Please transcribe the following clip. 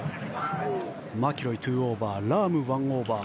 マキロイ、２オーバーラーム、１オーバー